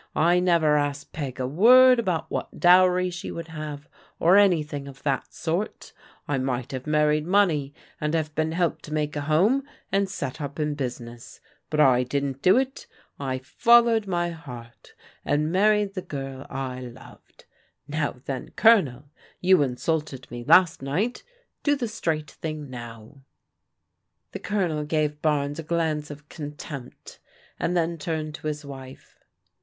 I never asked Peg a word about what dowry she would have, or anything of that sort I might have married money and have been helped to make a home, and set up in business. But I didn't do it. I followed my heart, and matriad \ivft. ^\\ 204 PBODIGAL DAUGHTEBS I loved. Now then, Colondi you insulted me last night, do the straight thing now." The Colonel gave Barnes a glance of contempt, and then turned to his wife.